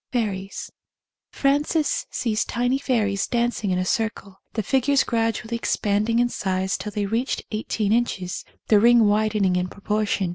Fairies. Frances sees tiny fairies dancing in a circle, the figures gradually expanding in size till they reached eighteen inches, the ring widening in proportion.